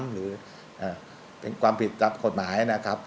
หรือเป็นความผิดตามกฎหมายนะครับ